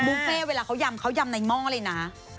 บุฟเฟ่เวลาเขายำเขายำในหม้อเลยนะ